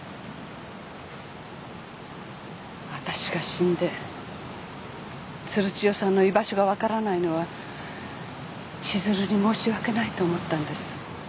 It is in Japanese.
私が死んで鶴千代さんの居場所が分からないのは千鶴に申し訳ないと思ったんです。